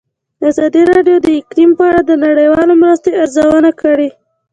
ازادي راډیو د اقلیم په اړه د نړیوالو مرستو ارزونه کړې.